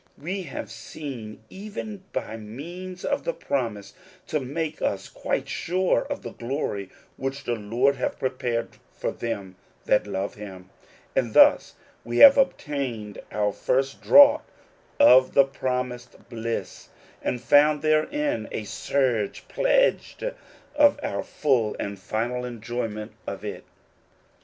We have seen enough by means of the promise to make us quite sure of the glory which the Lord hath prepared for them that love him ; and thus we have obtained our first draught of the promised bliss, and found therein a sure pledge of our full and final enjoyment of it.